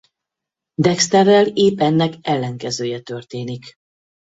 Dexterrel épp ennek ellenkezője történik.